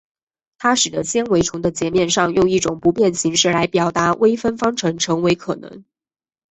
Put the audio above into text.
它使得在纤维丛的截面上用一种不变形式来表达微分方程成为可能。